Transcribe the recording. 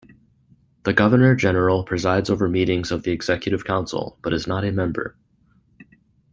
The Governor-General presides over meetings of the Executive Council, but is not a member.